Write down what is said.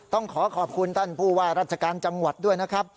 ต้องขอขอบคุณท่านผู้ว่าราชการจังหวัดด้วยนะครับ